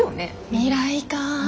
未来かぁ。